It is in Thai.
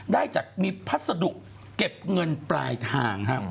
ได้จากมีพัสดุเก็บเงินปลายทางครับ